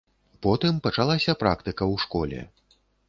Потым пачалася практыка ў школе.